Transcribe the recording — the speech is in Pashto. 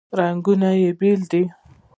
رنګونه یې بیل دي.